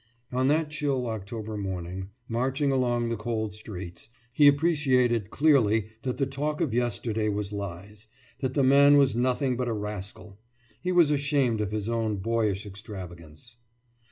« On that chill October morning, marching along the cold streets, he appreciated clearly that the talk of yesterday was lies; that the man was nothing but a rascal. He was ashamed of his own boyish extravagance.